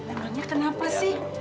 emangnya kenapa sih